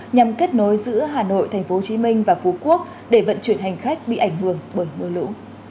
nhằm kết nối giữa hà nội tp hcm và phú quốc để vận chuyển hành khách bị ảnh hưởng bởi mưa lũ